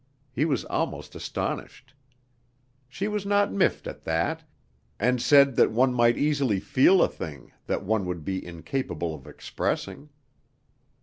He was almost astonished. She was not miffed at that, and said that one might easily feel a thing that one would be incapable of expressing.